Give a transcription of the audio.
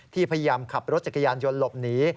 พยายามขับรถจักรยานยนต์หลบหนี